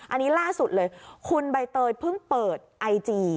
อันนี้ล่าสุดเลยคุณใบเตยเพิ่งเปิดไอจี